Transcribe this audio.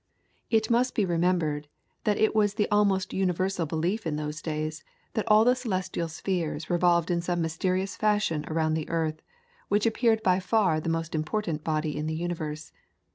It must be remembered that it was the almost universal belief in those days, that all the celestial spheres revolved in some mysterious fashion around the earth, which appeared by far the most important body in the universe.